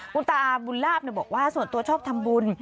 คุณตาบุญลาบบอกว่าส่วนตัวชอบทำบุญ